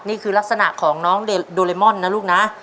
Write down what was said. นี่คือลักษณะของน้องโดเรมอนนะลูกนะ